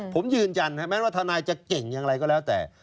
ผมยืนยันแม้ว่าทนายจะเก่งอย่างไรก็แล้วแต่